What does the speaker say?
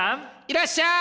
いらっしゃい！